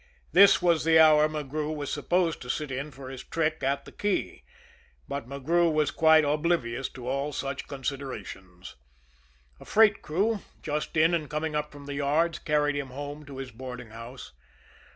This was the hour McGrew was supposed to sit in for his trick at the key; but McGrew was quite oblivious to all such considerations. A freight crew, just in and coming up from the yards, carried him home to his boarding house.